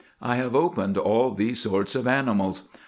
I have opened all these sorts of animals.